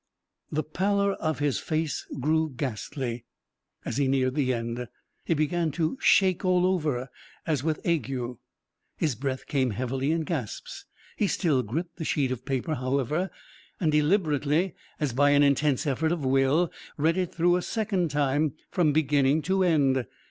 The pallor of his face grew ghastly as he neared the end. He began to shake all over as with ague. His breath came heavily in gasps. He still gripped the sheet of paper, however, and deliberately, as by an intense effort of will, read it through a second time from beginning to end.